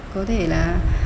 có thể là